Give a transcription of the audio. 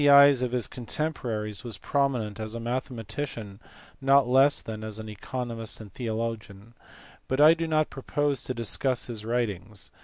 eyes of his contemporaries was prominent as a mathematician not less than as an economist and theologian ; but I do not propose to discuss his writings.